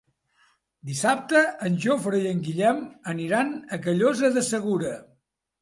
Dissabte en Jofre i en Guillem aniran a Callosa de Segura.